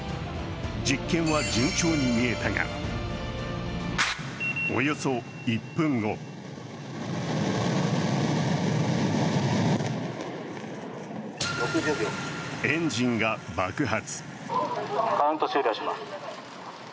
実権は順調に見えたが、およそ１分後エンジンが爆発。